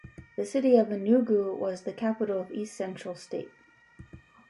The city of Enugu was the capital of East Central State.